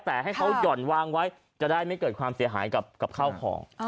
แต่ให้เขาหย่อนวางไว้จะได้ไม่เกิดความเสียหายกับข้าวของ